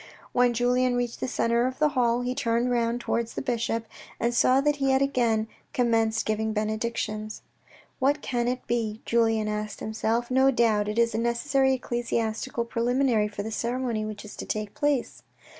When Julien reached the centre of the hall, he turned round towards the bishop, and saw that he had again com menced giving benedictions. " What can it be ?" Julien asked himself. " No doubt it is a necessary ecclesiastical preliminary for the ceremony which is to take place."